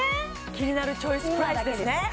「キニナルチョイス」プライスですね